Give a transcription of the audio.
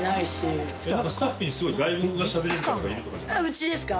うちですか？